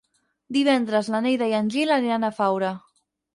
Divendres na Neida i en Gil aniran a Faura.